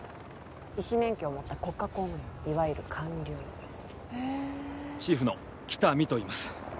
医師免許を持った国家公務員いわゆる官僚へえチーフの喜多見といいます